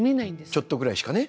ちょっとぐらいしかね。